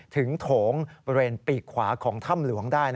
โถงบริเวณปีกขวาของถ้ำหลวงได้